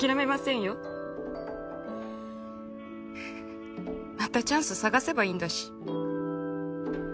ううっまたチャンス探せばいいんだし。